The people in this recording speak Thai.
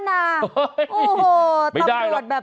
โอ้โหตำรวจแบบนี้ไม่ได้หรอก